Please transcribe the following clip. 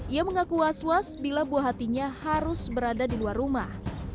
ia mengaku was was bila buah hatinya harus berada di luar rumah